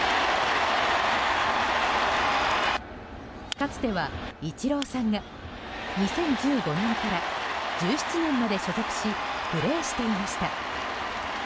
かつてはイチローさんが２０１５年から１７年まで所属し、プレーしていました。